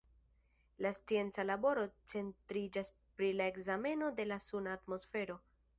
Lia scienca laboro centriĝas pri la ekzameno de la suna atmosfero.